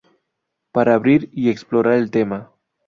Para abrir y explorar el tema.